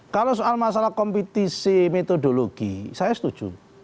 kalau soal masalah kompetisi metodologi saya setuju